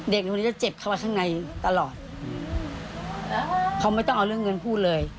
เด็กในคนนี้จะเจ็บเข้ามาข้างในตลอดเขาไม่ต้องเอาเรื่องเงินพูดเลย